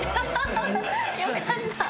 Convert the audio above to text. よかった。